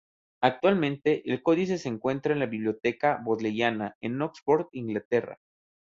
Actualmente, el códice se encuentra en la Biblioteca Bodleiana, en Oxford, Inglaterra.